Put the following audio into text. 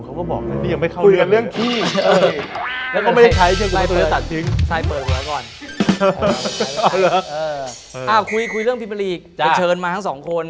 คุยเรื่องพิเมอร์ลีกไปเชิญมาทั้งสองคน